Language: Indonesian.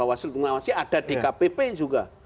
ada di kpp juga